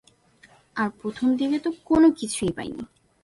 আর প্রথমদিকে তো কোন কিছুই পাইনি।